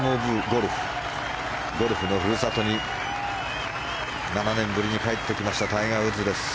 ゴルフの故郷に７年ぶりに帰ってきましたタイガー・ウッズです。